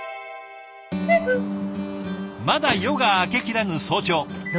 まだ夜が明けきらぬ早朝。